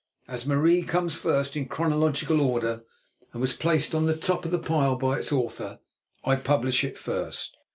As "Marie" comes first in chronological order, and was placed on the top of the pile by its author, I publish it first.